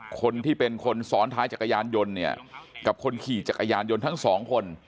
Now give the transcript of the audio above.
คนที่เป็นคนซ้อนท้ายจักรยานยนต์เนี่ยกับคนขี่จักรยานยนต์ทั้งสองคน